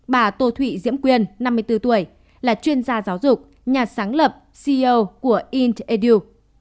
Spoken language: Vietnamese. bà tô thụy diễm quyền năm mươi bốn tuổi là chuyên gia giáo dục nhà sáng lập ceo của int ediu